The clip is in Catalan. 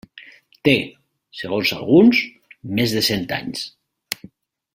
Té, segons alguns, més de cent anys.